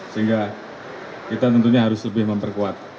sehingga kita tentunya harus lebih memperkuat